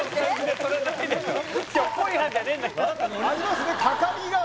ありますね